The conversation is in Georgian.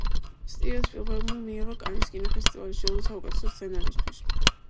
სტივენ სპილბერგმა მიიღო კანის კინოფესტივალის ჯილდო საუკეთესო სცენარისთვის.